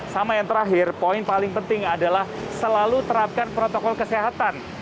sama yang terakhir poin paling penting adalah selalu terapkan protokol kesehatan